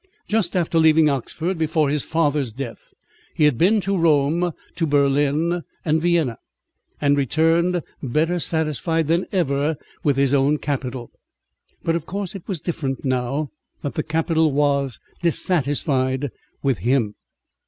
Just after leaving Oxford, before his father's death, he had been to Rome, to Berlin, and Vienna, and returned better satisfied than ever with his own capital; but of course it was different now that the capital was dissatisfied with him.